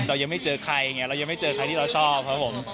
เรายังไม่เจอใครอย่างนี้เรายังไม่เจอใครที่เราชอบครับผม